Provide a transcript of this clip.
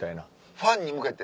ファンに向けて？